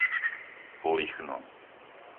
Polichno